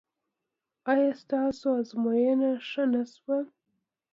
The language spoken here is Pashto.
ایا ستاسو ازموینه ښه نه شوه؟